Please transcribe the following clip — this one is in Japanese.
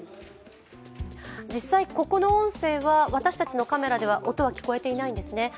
実際、ここの音声は私たちのカメラでは音は聞こえてないんですね。